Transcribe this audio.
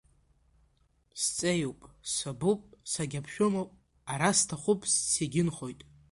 Сҵеиуп, сабуп, сагьаԥшәымоуп, ара саҭахуп, сегьынхоит.